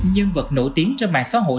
nhân vật nổi tiếng trong mạng xã hội